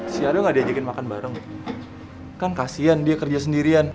si ado nggak diajakin makan bareng kan kasian dia kerja sendirian